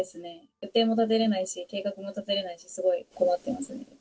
予定も立てれないし、計画も立てれないし、すごい困ってます。